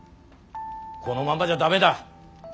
「このままじゃ駄目だ。